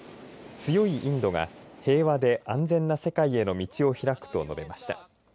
強いインドが平和で安全な世界への道を開くと述べました。